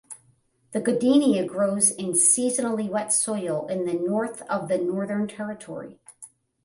This goodenia grows in seasonally wet soil in the north of the Northern Territory.